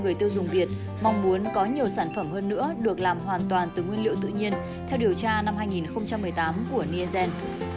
người tiêu dùng việt mong muốn có nhiều sản phẩm hơn nữa được làm hoàn toàn từ nguyên liệu tự nhiên theo điều tra năm hai nghìn một mươi tám của nielsen